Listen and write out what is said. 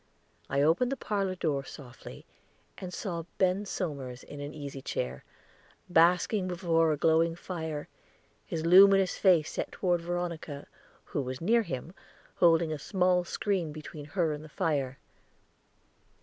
I opened the parlor door softly, and saw Ben Somers in an easy chair, basking before a glowing fire, his luminous face set toward Veronica, who was near him, holding a small screen between her and the fire.